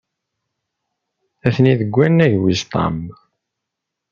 Atni deg wannag wis ṭam.